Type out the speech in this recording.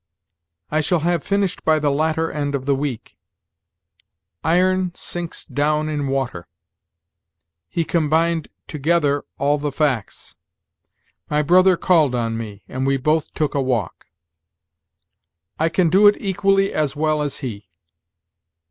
"I shall have finished by the latter end of the week." "Iron sinks down in water." "He combined together all the facts." "My brother called on me, and we both took a walk." "I can do it equally as well as he."